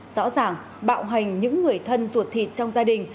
rõ ràng bạo hành những người thân ruột thịt trong gia đình